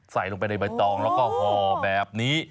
ใส่ลงไปในใบตองแล้วก็ห่อแบบนี้